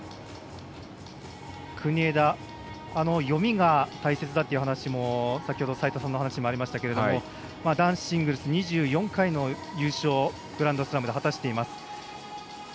国枝読みが大切だという話も先ほど、齋田さんのお話にもありましたが男子シングルス２４回の優勝をグランドスラムで果たしています。